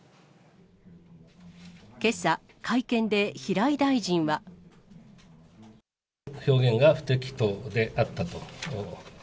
けさ、会見で平井大臣は。表現が不適当であったと。